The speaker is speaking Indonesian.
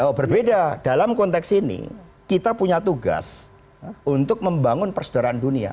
oh berbeda dalam konteks ini kita punya tugas untuk membangun persedaraan dunia